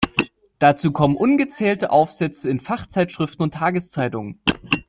Dazu kommen ungezählte Aufsätze in Fachzeitschriften und Tageszeitungen.